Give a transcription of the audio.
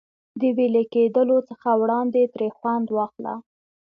د وېلې کېدلو څخه وړاندې ترې خوند واخله.